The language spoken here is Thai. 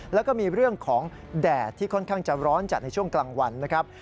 แล้วก็มีเรื่องของแดดที่ค่อนข้างจะร้อนจัดในช่วงกลางวันนะครับ